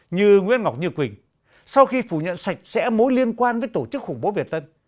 như nguyễn ngọc như quỳnh sau khi phủ nhận sạch sẽ mối liên quan với tổ chức khủng bố việt tân